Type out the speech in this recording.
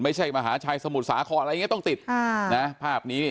ไม่ใช่มหาชัยสมุทรสาครอะไรอย่างเงี้ต้องติดอ่านะภาพนี้